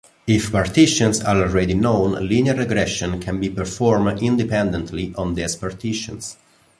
If partitions are already known, linear regression can be performed independently on these partitions.